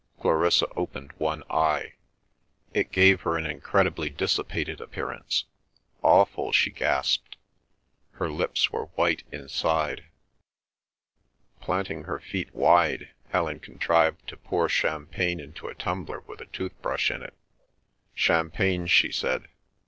Clarissa opened one eye. It gave her an incredibly dissipated appearance. "Awful!" she gasped. Her lips were white inside. Planting her feet wide, Helen contrived to pour champagne into a tumbler with a tooth brush in it. "Champagne," she said.